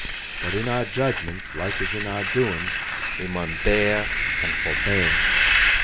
But in our judgments, like as in our doins, we mun bear and forbear.